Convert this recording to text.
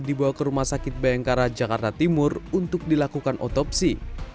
dibawa ke rumah sakit bayangkara jakarta timur untuk dilakukan otopsi